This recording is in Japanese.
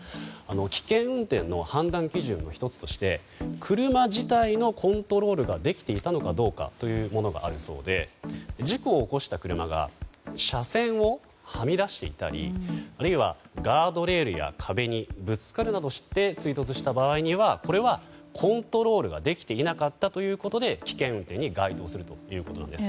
危険運転の判断基準の１つとして車自体のコントロールができていたのかどうかがあるそうで事故を起こした車が車線をはみ出していたりあるいはガードレールや壁にぶつかるなどして追突した場合はこれは、コントロールはできていなかったということで危険運転に該当するということです。